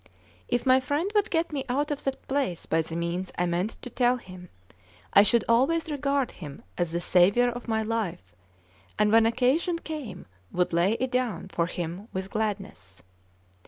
If my friend would get me out of that place by the means I meant to tell him, I should always regard him as the saviour of my life, and when occasion came would lay it down for him with gladness.